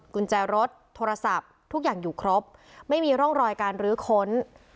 กุญแจรถโทรศัพท์ทุกอย่างอยู่ครบไม่มีร่องรอยการรื้อค้น